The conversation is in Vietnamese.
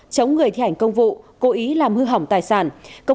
chống người thi hành công vụ cố ý làm hư hỏng tài sản